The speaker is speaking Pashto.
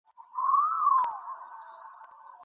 تر څو په اسمان کې پر تاسو رحم وشي.